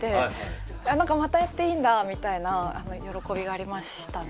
何かまたやっていいんだみたいな喜びがありましたね。